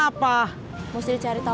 apalagi banyak bercerita